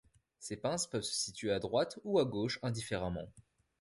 Ces pinces peuvent se situer à droite ou à gauche indifféremment.